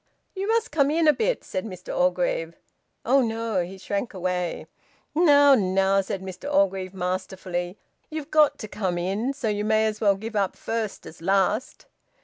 "You must come in a bit," said Mr Orgreave. "Oh no!" He shrank away. "Now, now!" said Mr Orgreave masterfully. "You've got to come in, so you may as well give up first as last.